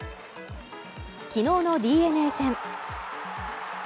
昨日のＤｅＮＡ戦。